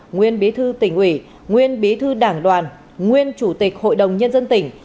nguyên bí thư tỉnh ủy nguyên bí thư đảng đoàn nguyên chủ tịch hội đồng nhân dân tỉnh